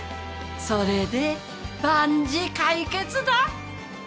それで万事解決だ！